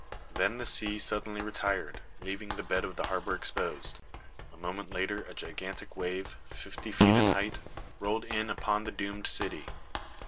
Then the sea suddenly retired, leaving the bed of the harbor exposed. A moment later a gigantic wave, fifty feet in height, rolled in upon the doomed city.